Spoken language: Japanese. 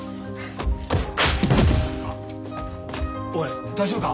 おい大丈夫か？